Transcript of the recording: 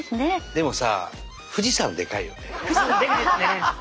でもさ富士山でかいですね。